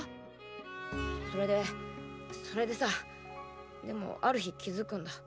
それでそれでさでもある日気付くんだ。